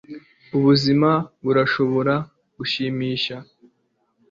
ubuzima burashobora gushimisha